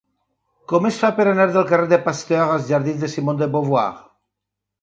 Com es fa per anar del carrer de Pasteur als jardins de Simone de Beauvoir?